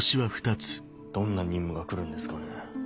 どんな任務が来るんですかね。